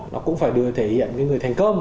nó cũng phải được thể hiện cái người thành công